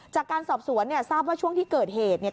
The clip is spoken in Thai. จากการสอบสวนเนี่ยทราบว่าช่วงที่เกิดเหตุเนี่ย